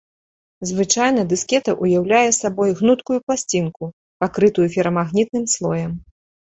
Звычайна дыскета ўяўляе сабой гнуткую пласцінку, пакрытую ферамагнітным слоем.